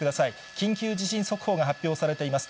緊急地震速報が発表されています。